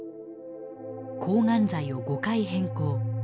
抗がん剤を５回変更。